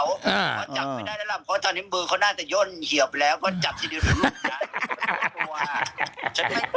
จับไม่ได้ร่วมเพราะว่าตอนนี้มือเขาน่าจะย่นเหี่ยวไปแล้วก็จับทีเดียวดูลูกกัน